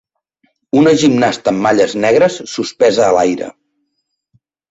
Una gimnasta amb malles negres suspesa a l'aire.